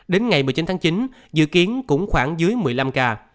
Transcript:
đến ngày một mươi chín tháng chín dự kiến cũng khoảng dưới một mươi năm ca